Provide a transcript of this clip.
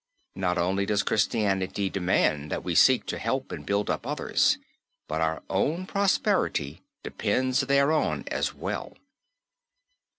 Not only does Christianity demand that we seek to help and build up others; but our own prosperity depends thereon as well.